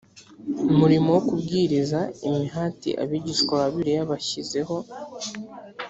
murimo wo kubwiriza imihati abigishwa ba bibiliya bashyizeho